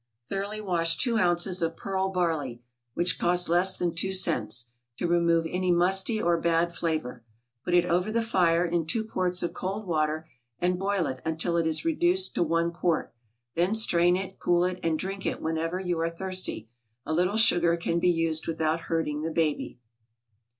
= Thoroughly wash two ounces of pearl barley, (which costs less than two cents,) to remove any musty or bad flavor, put it over the fire in two quarts of cold water, and boil it until it is reduced to one quart; then strain it, cool it, and drink it whenever you are thirsty. A little sugar can be used without hurting the baby.